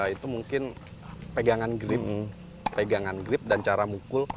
itu mungkin pegangan pegangan grip dan cara mukul